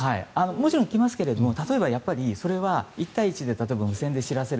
もちろん来ますが例えば１対１で無線で知らせる。